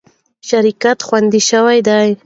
شرکت خوندي شوی دی.